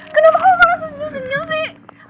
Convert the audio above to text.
kenapa kamu langsung nyusik nyusik